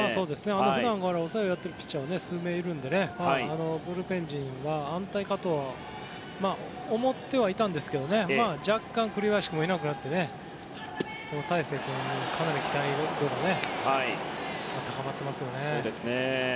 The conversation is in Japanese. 普段から抑えをやっているピッチャーが数名いるのでブルペン陣が安泰かとは思っていたんですが若干、栗林君がいなくなって大勢君にかなり期待度が高まっていますよね。